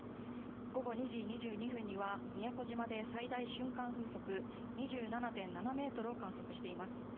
午後２時２２分には、宮古島で最大瞬間風速２７．７メートルを観測しています。